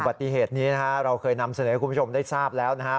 ปฏิเหตุนี้นะฮะเราเคยนำเสนอให้คุณผู้ชมได้ทราบแล้วนะครับ